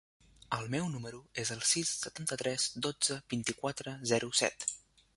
El meu número es el sis, setanta-tres, dotze, vint-i-quatre, zero, set.